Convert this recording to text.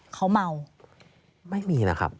เขาเมาไม่มีนะครับ